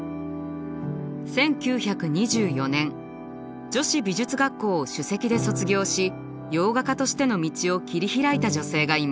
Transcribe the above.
１９２４年女子美術学校を首席で卒業し洋画家としての道を切り開いた女性がいます。